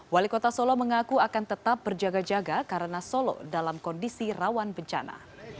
wali kota solo mengaku akan tetap berjaga jaga karena solo dalam kondisi rawan bencana